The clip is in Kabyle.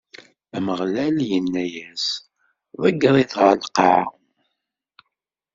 Ameɣlal inna-as: Ḍegger-it ɣer lqaɛa!